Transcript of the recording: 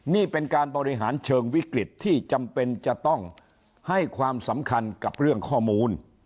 นี่เป็นการบริหารเชิงวิกฤตที่จำเป็นจะต้องให้ความสำคัญกับเรื่องข้อมูล